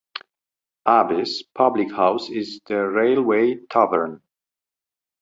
Aby's public house is The Railway Tavern.